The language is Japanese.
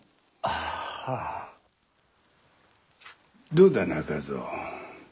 どうだ中蔵。